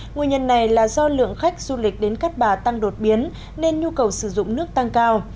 nguyên nhân này là do lượng khách du lịch đến cát bà tăng đột biến nên nhu cầu sử dụng nước tăng cao